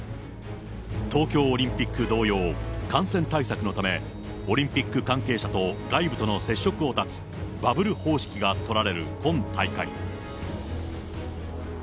東京オリンピック同様、感染対策のため、オリンピック関係者と外部との接触を断つバブル方式が取られる今大会。